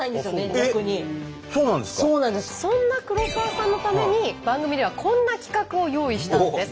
そんな黒沢さんのために番組ではこんな企画を用意したんです。